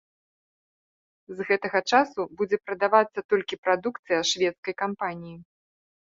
З гэтага часу будзе прадавацца толькі прадукцыя шведскай кампаніі.